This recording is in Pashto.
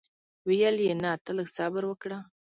ویل یې نه ته لږ صبر وکړه.